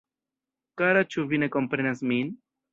Kara ĉu vi ne komprenas min?